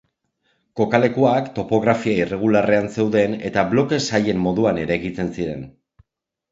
Kokalekuak topografia irregularrean zeuden eta bloke-sailen moduan eraikitzen ziren.